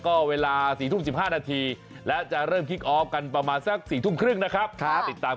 โอดงหล่อมากนะครับ